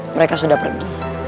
mereka sudah pergi